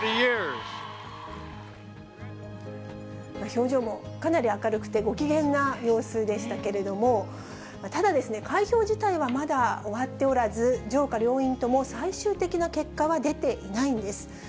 表情もかなり明るくて、ご機嫌な様子でしたけれども、ただですね、開票自体はまだ終わっておらず、上下両院とも最終的な結果は出ていないんです。